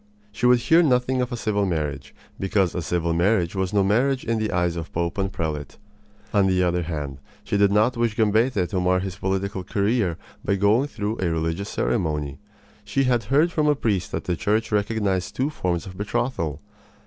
She would hear nothing of a civil marriage, because a civil marriage was no marriage in the eyes of Pope and prelate. On the other hand, she did not wish Gambetta to mar his political career by going through a religious ceremony. She had heard from a priest that the Church recognized two forms of betrothal.